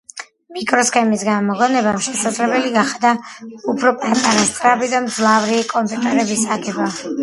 მიკროსქემის გამოგონებამ შესაძლებელი გახადა უფრო პატარა, სწრაფი და მძლავრი კომპიუტერების აგება